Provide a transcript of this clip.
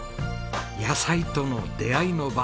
野菜との出会いの場。